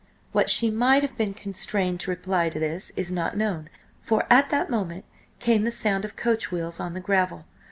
What she might have been constrained to reply to this is not known, for at that moment came the sound of coach wheels on the gravel.